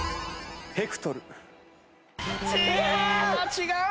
違う！